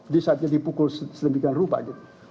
di saatnya dipukul sedemikian rupa gitu